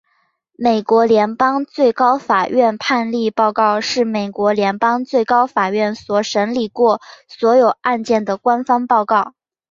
美国联邦最高法院判例报告是美国联邦最高法院所审理过所有案件的官方报告。